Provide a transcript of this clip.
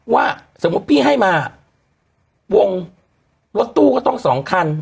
ว่าสมมุติพี่ให้มา